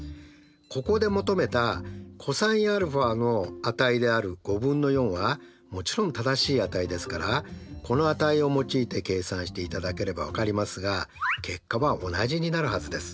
ここで求めたｃｏｓαの値である５分の４はもちろん正しい値ですからこの値を用いて計算していただければ分かりますが結果は同じになるはずです。